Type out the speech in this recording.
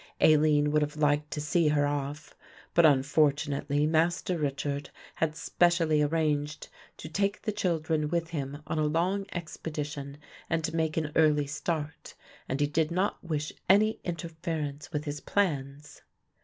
Aline would have liked to see her off, but unfortunately Master Richard had specially arranged to take the children with him on a long expedition and make an early start, and he did not wish any interference with his plans.